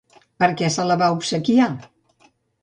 Per què se la va obsequiar?